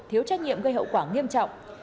thiếu trách nhiệm gây hậu quả nghiêm trọng